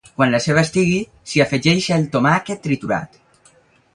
Quan la ceba estigui, s'hi afegeix el tomàquet triturat.